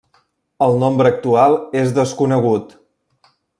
El nombre actual és desconegut.